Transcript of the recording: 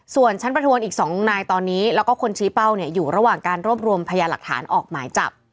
ส่วนชั้นประทวนอีก๒นายตอนนี้แล้วก็คนชี้เป้าเนี่ยอยู่ระหว่างการรวบรวมพยานหลักฐานออกหมายจับ